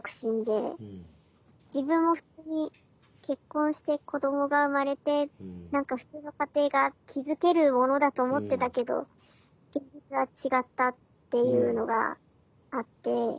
自分も普通に結婚して子どもが生まれて何か普通の家庭が築けるものだと思ってたけど現実は違ったっていうのがあって。